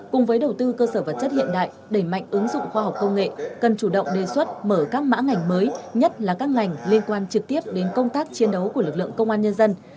cùng với đầu tư cơ sở vật chất hiện đại đẩy mạnh ứng dụng khoa học công nghệ cần chủ động đề xuất mở các mã ngành mới nhất là các ngành liên quan trực tiếp đến công tác chiến đấu của lực lượng công an nhân dân